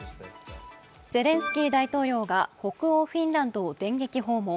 ゼレンスキー大統領が北欧フィンランドを電撃訪問。